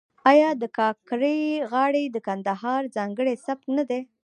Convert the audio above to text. آیا د کاکړۍ غاړې د کندهار ځانګړی سبک نه دی؟